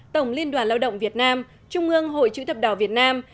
tổng liên đoàn lao động việt nam trung ương hội chữ thập đỏ việt nam